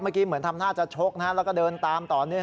เมื่อกี้เหมือนทำหน้าจะโชคนะฮะแล้วก็เดินตามตอนนี้